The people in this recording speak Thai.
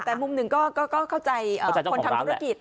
แต่มุมหนึ่งก็เข้าใจคนทำธุรกิจ